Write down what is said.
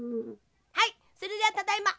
はいそれではただいま。